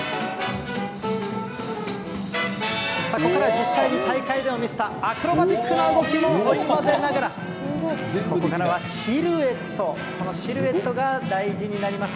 ここからは実際に大会でも見せた、アクロバティックな動きも織り交ぜながら、ここからはシルエット、このシルエットが大事になります。